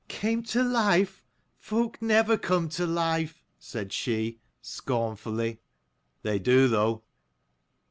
"Came to life? Folk never come to life," 226 said she, scornfully. " They do, though.'